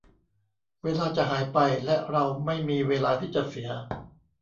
เวลาจะหายไปและเราไม่มีเวลาที่จะเสีย